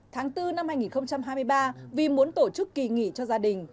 tháng bốn năm hai nghìn hai mươi ba vì muốn tổ chức kỳ nghỉ cho gia đình